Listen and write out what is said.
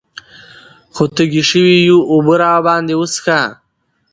خو تږي شوي يو اوبۀ راباندې وڅښوه ـ